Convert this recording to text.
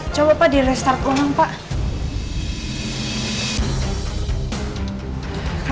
coba pak di restart ulang pak